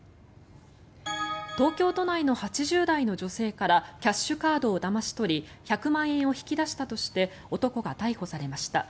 東京都内の８０代の女性からキャッシュカードをだまし取り１００万円を引き出したとして男が逮捕されました。